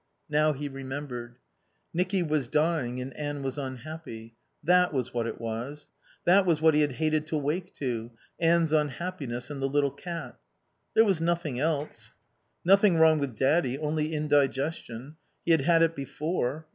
Now he remembered. Nicky was dying and Anne was unhappy. That was what it was; that was what he had hated to wake to, Anne's unhappiness and the little cat. There was nothing else. Nothing wrong with Daddy only indigestion. He had had it before.